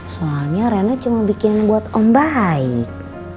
soalnya rena cuma bikin buat om baik